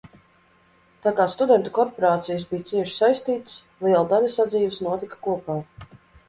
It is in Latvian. Tā kā studentu korporācijas bija cieši saistītas, liela daļa sadzīves notika kopā.